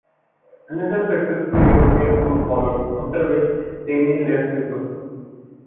Another successful European tour followed, after which Damian left the group.